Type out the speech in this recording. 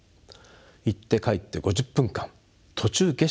行って帰って５０分間途中下車禁止。